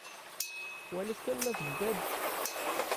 Walit kan ma tejba-d.